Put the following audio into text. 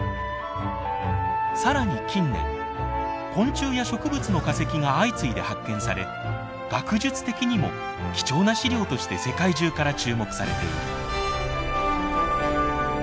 更に近年昆虫や植物の化石が相次いで発見され学術的にも貴重な資料として世界中から注目されている。